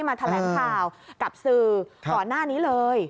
เหมือนวันที่มาแถลงกรรมหาวกับสื่อก่อนหน้านี้เลย